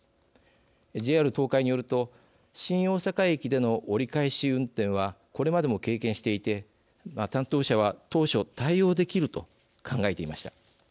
ＪＲ東海によると新大阪駅での折り返し運転はこれまでも経験していて担当者は、当初対応できると考えていました。